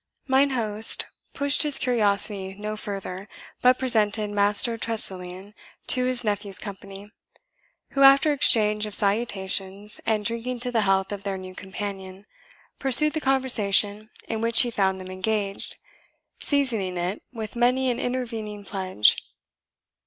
Mine host pushed his curiosity no further, but presented Master Tressilian to his nephew's company, who, after exchange of salutations, and drinking to the health of their new companion, pursued the conversation in which he found them engaged, seasoning it with many an intervening pledge.